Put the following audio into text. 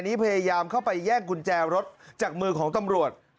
พยายามเข้าไปแย่งกุญแจรถจากมือของตำรวจ